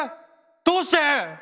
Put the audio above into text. どうして？